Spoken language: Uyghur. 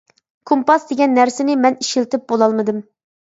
كومپاس دېگەن نەرسىنى مەن ئىشلىتىپ بولالمىدىم.